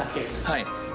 はい。